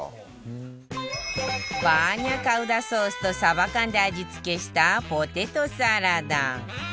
バーニャカウダソースとサバ缶で味付けしたポテトサラダ